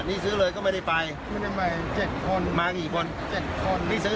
นี่ซื้อเลยก็ไม่ได้ไปไม่ได้ไป๗คนมากี่คน๗คนที่ซื้อ